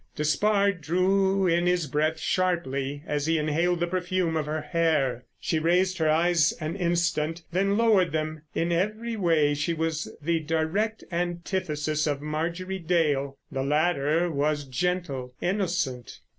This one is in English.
Despard drew in his breath sharply as he inhaled the perfume of her hair. She raised her eyes an instant, then lowered them. In every way she was the direct antithesis of Marjorie Dale. The latter was gentle, innocent.